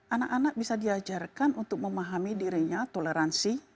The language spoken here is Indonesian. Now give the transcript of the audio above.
anak anak bisa diajarkan untuk memahami dirinya toleransi